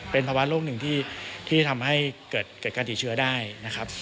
เป็นภาวะโลกหนึ่งที่ทำให้เกิดการติดเชื้อได้นะครับ